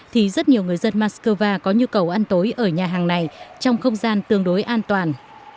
thì rất nhiều người dân moscow có nhu cầu ăn tối ở nhà hàng này trong không gian tương đối an toàn